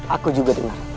aku juga dengar